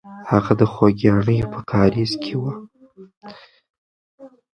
هغه د خوګیاڼیو په کارېز کې وه.